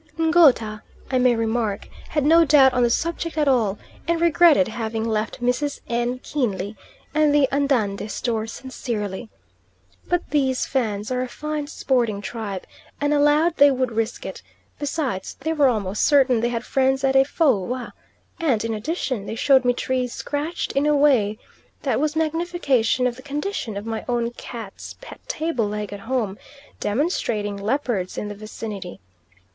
Ngouta, I may remark, had no doubt on the subject at all, and regretted having left Mrs. N. keenly, and the Andande store sincerely. But these Fans are a fine sporting tribe, and allowed they would risk it; besides, they were almost certain they had friends at Efoua; and, in addition, they showed me trees scratched in a way that was magnification of the condition of my own cat's pet table leg at home, demonstrating leopards in the vicinity.